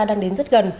đang đến rất gần